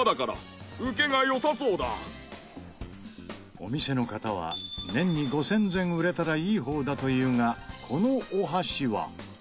お店の方は年に５０００膳売れたらいい方だと言うがこのお箸は。